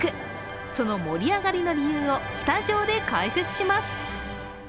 その盛り上がりの理由をスタジオで解説します。